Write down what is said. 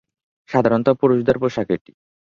সাধারণত পুরুষদের পোশাক এটি।